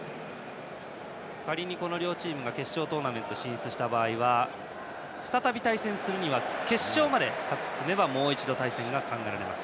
仮にこの両チームが決勝トーナメントに進出すると再び対戦するには決勝まで勝ち進めばもう一度対戦します。